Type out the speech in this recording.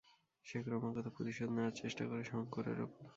সে ক্রমাগত প্রতিশোধ নেওয়ার চেষ্টা করে শঙ্করের ওপর।